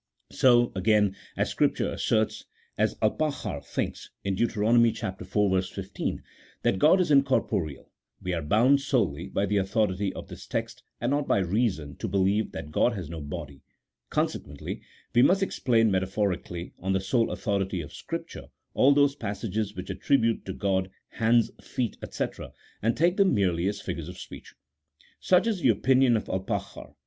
So, again, as Scripture asserts (as Alpakhar thinks) in Deut. iv. 15, that God is incorporeal, we are bound, solelv by the authority of this text, and not by reason, to believe that God has no body: consequently we must explain metaphorically, on the sole authority of Scripture, all those passages which attribute to G od hands, feet, &c, and take them merely as figures of speech. Such is the opinion of Alpakhar.